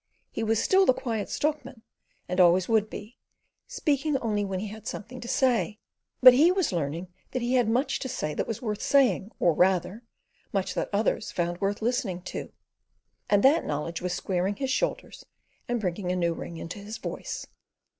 He was still the Quiet Stockman, and always would be, speaking only when he had something to say, but he was learning that he had much to say that was worth saying, or, rather, much that others found worth listening to; and that knowledge was squaring his shoulders and bringing a new ring into his voice.